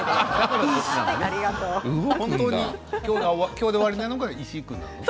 今日で終わりなのが石井君なのね。